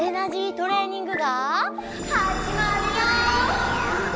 トレーニングがはじまるよ！